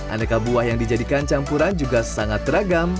aneka buah yang dijadikan campuran juga sangat beragam